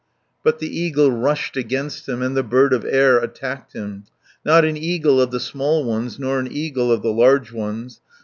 But the eagle rushed against him, And the bird of air attacked him; Not an eagle of the small ones, Nor an eagle of the large ones.